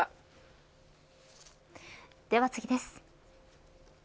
では次です。